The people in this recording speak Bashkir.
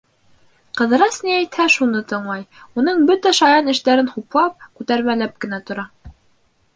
Ҡыҙырас ни әйтһә, шуны тыңлай, уның бөтә шаян эштәрен хуплап, күтәрмәләп кенә тора.